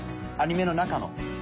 アニメの中の。